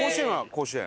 甲子園。